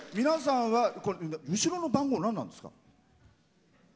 皆さんは後ろの番号何なんですか？